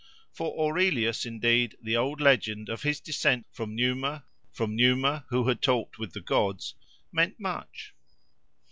For Aurelius, indeed, the old legend of his descent from Numa, from Numa who had talked with the gods, meant much.